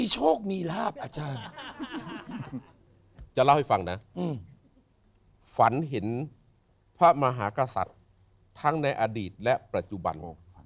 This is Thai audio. จะเล่าให้ฟังนะฝันเห็นภาพมหากษัตริย์ทั้งในอดีตและปัจจุบัน